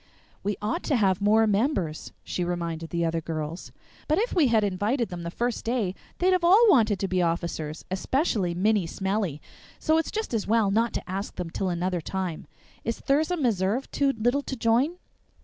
"We ought to have more members," she reminded the other girls, "but if we had invited them the first day they'd have all wanted to be officers, especially Minnie Smellie, so it's just as well not to ask them till another time. Is Thirza Meserve too little to join?"